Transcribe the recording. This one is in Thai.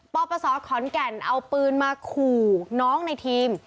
ปปศขอนแก่นเอาปืนมาขู่น้องในทีม